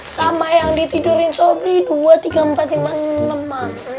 sama yang ditidurin sobri dua tiga empat lima enam